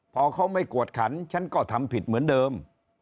พอเขาไม่กวดขันฉันก็ทำผิดเหมือนเดิม